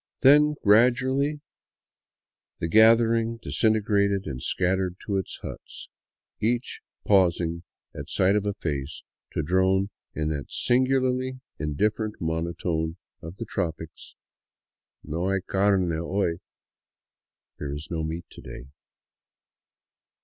Then gradually the gathering disintegrated and scattered to its huts, each pausing at sight of a face, to drone in that singularly indifferent monotone of the tropics, " No hay came hoy '*— (there is no meat to day).